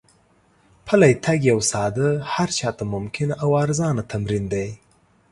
پلی تګ یو ساده، هر چا ته ممکن او ارزانه تمرین دی.